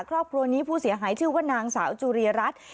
ครอบครัวนี้ผู้เสียหายชื่อว่านางสาวจุรีรัฐ